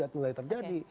udah mulai terjadi